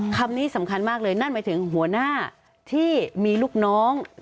คำนี้สำคัญมากเลยนั่นหมายถึงหัวหน้าที่มีลูกน้อง